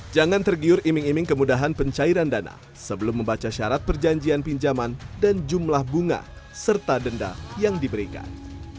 jangan tergiur iming iming kemudahan pencairan dana sebelum membaca syarat perjanjian pinjaman dan jumlah bunga serta denda yang diberikan